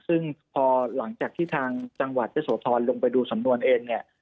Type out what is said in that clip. ซึ่งพอหลังจากที่ทางจังหวัดเจษฐรลงไปดูสำนวนเอง